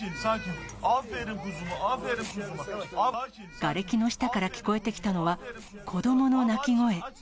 がれきの下から聞こえてきたのは、子どもの泣き声。